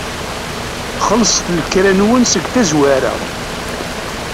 Xellṣet lekra-nwen seg tazwara.